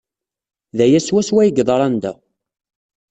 D aya swaswa ay yeḍran da.